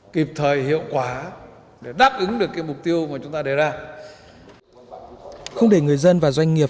kịp thời hiệu quả để đáp ứng được mục tiêu mà chúng ta đề ra không để người dân và doanh nghiệp